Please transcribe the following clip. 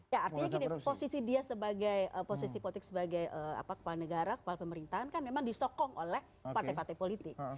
ya artinya gini posisi dia sebagai posisi politik sebagai kepala negara kepala pemerintahan kan memang disokong oleh partai partai politik